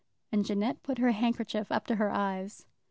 And Jeannette put her handkerchief up to her eyes.